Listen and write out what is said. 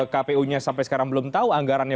kpu nya sampai sekarang belum tahu anggarannya